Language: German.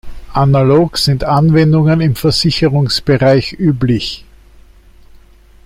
Analog sind Anwendungen im Versicherungsbereich üblich.